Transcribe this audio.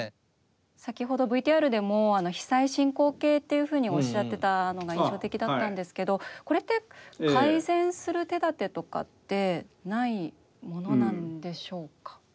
先ほどＶＴＲでも「被災進行形」っていうふうにおっしゃってたのが印象的だったんですけどこれって改善する手立てとかってないものなんでしょうか？